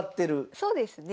そうですね。